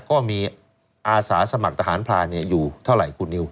ก็มีอาสาสมัครทหารพรานอยู่เท่าไหร่คุณนิว